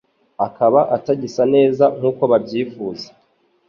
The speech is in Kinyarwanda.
akaba atagisa neza nk'uko babyifuza.